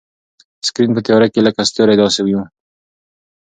سکرین په تیاره کې لکه ستوری داسې و.